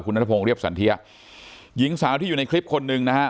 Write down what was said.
นัทพงศ์เรียบสันเทียหญิงสาวที่อยู่ในคลิปคนหนึ่งนะฮะ